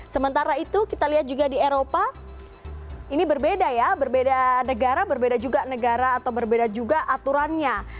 sementara itu kita lihat juga di eropa ini berbeda ya berbeda negara berbeda juga negara atau berbeda juga aturannya